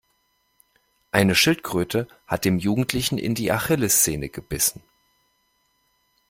Eine Schildkröte hat dem Jugendlichen in die Achillessehne gebissen.